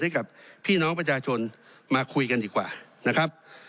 ให้กับพี่น้องประชาชนมาคุยกันดีกว่านะครับ